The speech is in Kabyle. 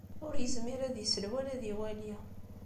Ur yezmir ad isel, wala ad iwali.